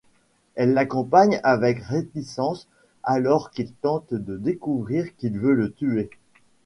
Elle l'accompagne avec réticence alors qu'il tente de découvrir qui veut le tuer.